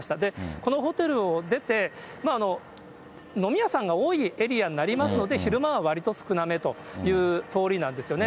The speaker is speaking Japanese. このホテルを出て、飲み屋さんが多いエリアになりますので、昼間はわりと少なめという通りなんですよね。